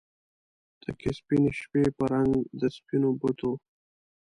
تکې سپینې شپې په رنګ د سپینو بتو